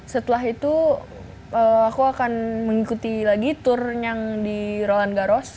setelah itu aku akan mengikuti lagi tur yang di roland garros